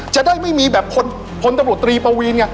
จะได้ไม่มีแบบพลตำรวจตรีปวีนไง